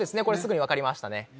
これすぐにわかりましたね